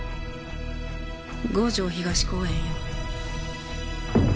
五条東公園よ。